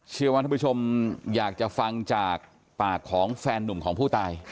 เชื่อว่าท่านผู้ชมอยากจะฟังจากปากของแฟนนุ่มของผู้ตาย